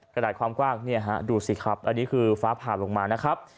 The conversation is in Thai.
กระดาษความกว้างเนี่ยฮะดูสิครับอันนี้คือฟ้าผ่าลงมานะครับ